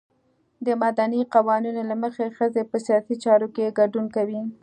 د مدني قوانینو له مخې ښځې په سیاسي چارو کې ګډون کوي.